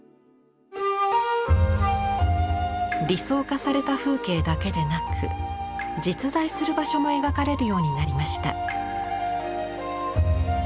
理想化された風景だけでなく実在する場所も描かれるようになりました。